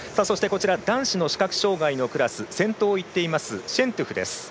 男子の視覚障がいのクラス先頭をいっているシェントゥフです。